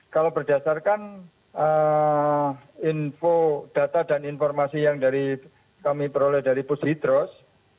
kalau berdasarkan info data dan informasi yang kami peroleh dari pushidros